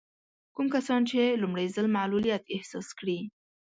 کوم کسان چې لومړی ځل معلوليت احساس کړي.